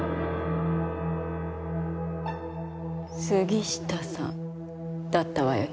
杉下さんだったわよね？